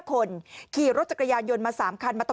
กลุ่มหนึ่งก็คือ